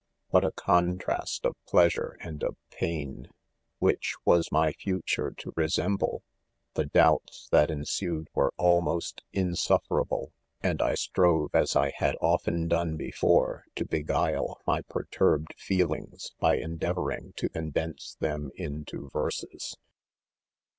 Vfhat a contrast of pleasure and of pain ]—^ Which was my future to resemble 1 The doubts that ensued were almost insufferable ; and I strove, as I had often done before, to beguile my per turbed feelings by endeavoring to condense them into verses.